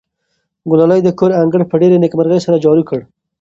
ګلالۍ د کور انګړ په ډېرې نېکمرغۍ سره جارو کړ.